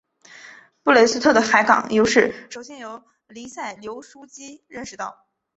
布雷斯特的海港优势首先由黎塞留枢机认识到。